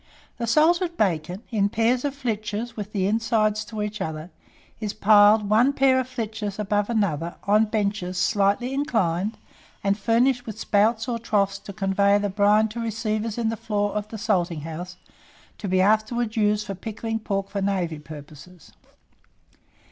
The salted bacon, in pairs of flitches with the insides to each other, is piled one pair of flitches above another on benches slightly inclined, and furnished with spouts or troughs to convey the brine to receivers in the floor of the salting house, to be afterwards used for pickling pork for navy purposes.